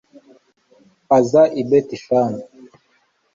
aza i betishani